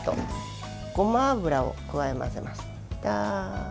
ごま油を加えます。